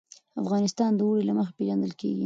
افغانستان د اوړي له مخې پېژندل کېږي.